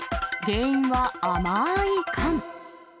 原因は甘ーい缶。